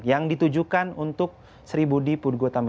yang ditujukan untuk sri budi puguh utami